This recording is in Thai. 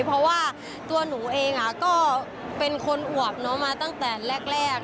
เพราะว่าตัวหนูเองก็เป็นคนอวบเนอะมาตั้งแต่แรก